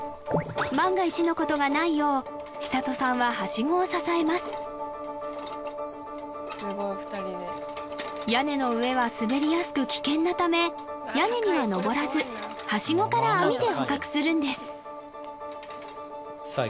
万が一のことがないよう千沙都さんは梯子を支えます屋根の上は滑りやすく危険なため屋根にはのぼらず梯子から網で捕獲するんですさあい